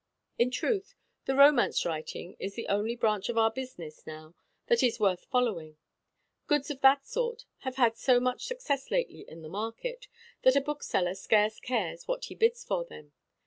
In truth, the romance writing is the only branch of our business now that is worth following. Goods of that sort have had so much success lately in the market, that a bookseller scarce cares what he bids for them.